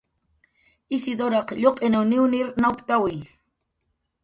Isiduraq lluq'in niwnir nawptawi